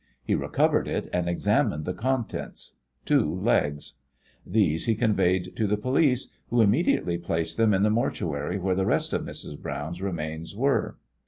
He recovered it and examined the contents two legs. These he conveyed to the police, who immediately placed them in the mortuary where the rest of Mrs. Browne's remains were.